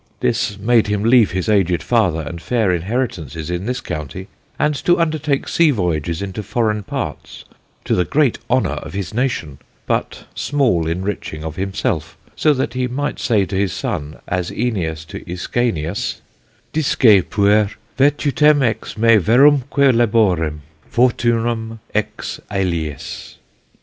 This made him leave his aged Father and fair Inheritance in this County, and to undertake Sea Voyages into forreign parts, to the great honour of his Nation, but small inriching of himself; so that he might say to his Son, as Æneas to Æscanius: 'Disce, puer, Virtutem ex me verumque Laborem, Fortunam ex aliis.'